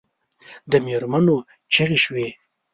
د مېرمنو چیغې شوې.